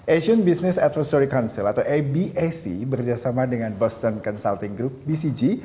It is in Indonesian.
asian business advisory council atau abac bekerjasama dengan boston consulting group bcg